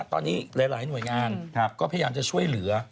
ตอนนี้หลายหน่วยงานก็พยายามจะช่วยเหลือ